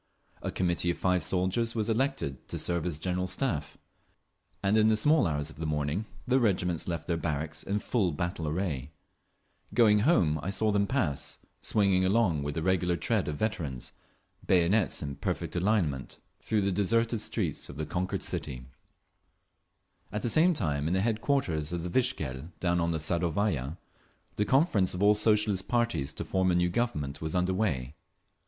A Committee of five soldiers was elected to serve as General Staff, and in the small hours of the morning the regiments left their barracks in full battle array…. Going home I saw them pass, swinging along with the regular tread of veterans, bayonets in perfect alignment, through the deserted streets of the conquered city…. At the same time, in the headquarters of the Vikzhel down on the Sadovaya, the conference of all the Socialist parties to form a new Government was under way.